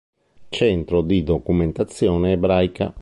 Centro di documentazione ebraica